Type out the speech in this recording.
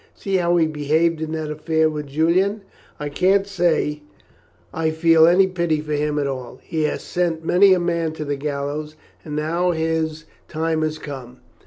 See how he behaved in that affair with Julian. I can't say I feel any pity for him at all, he has sent many a man to the gallows, and now his time has come."